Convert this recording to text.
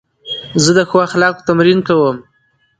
زه د ښو اخلاقو تمرین کوم.